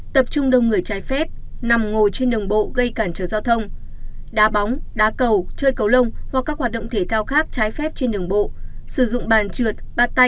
ba phạt tiền từ một trăm linh đồng đến hai trăm linh đồng đối với cá nhân thực hiện một trong các hành vi vi phạm sau đây